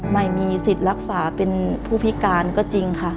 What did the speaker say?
ไม่มีสิทธิ์รักษาเป็นผู้พิการก็จริงค่ะ